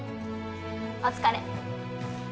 お疲れ